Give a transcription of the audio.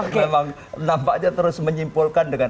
memang nampaknya terus menyimpulkan